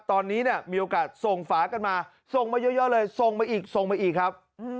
ตอนนี้เนี่ยมีโอกาสส่งฝากันมาส่งมาเยอะเลยส่งมาอีกส่งมาอีกครับ